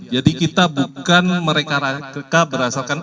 jadi kita bukan mereka berasalkan